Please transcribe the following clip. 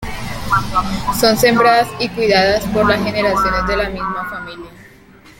Son sembradas y cuidadas por las generaciones de las mismas familias.